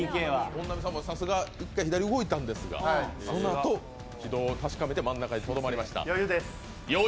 本並さんも１回左に動いたんですが、軌道を見て真ん中にとどまりました。